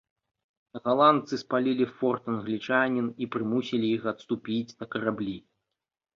Галандцы спалілі форт англічанін, і прымусілі іх адступіць на караблі.